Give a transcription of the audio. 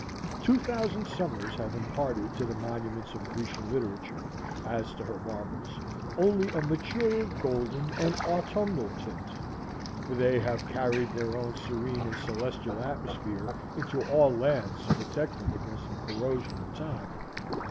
Two thousand summers have imparted to the monuments of Grecian literature, as to her marbles, only a maturer golden and autumnal tint, for they have carried their own serene and celestial atmosphere into all lands to protect them against the corrosion of time.